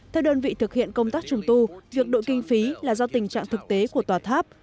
theo đơn vị thực hiện công tác trùng tu việc đội kinh phí là do tình trạng thực tế của tòa tháp